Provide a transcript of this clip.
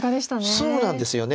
そうなんですよね。